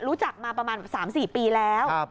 รู้จักมาประมาณ๓๔ปีแล้ว